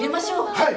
はい。